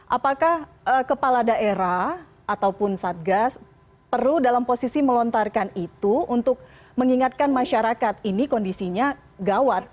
apakah kepala daerah ataupun satgas perlu dalam posisi melontarkan itu untuk mengingatkan masyarakat ini kondisinya gawat